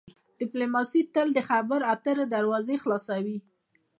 ډیپلوماسي تل د خبرو اترو دروازې خلاصوي.